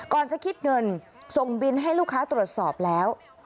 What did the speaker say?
จะคิดเงินส่งบินให้ลูกค้าตรวจสอบแล้ว